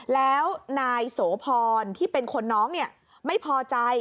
แล้วนายสโผอนที่เป็นคนน้องเนี่ยไม่พอใจ